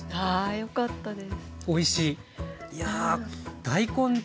よかったです。